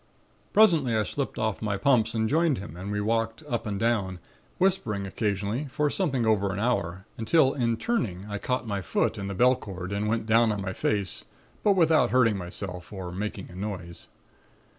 Presently I slipped off my pumps and joined him and we walked up and down, whispering occasionally for something over an hour, until in turning I caught my foot in the bell cord and went down on my face; but without hurting myself or making a noise.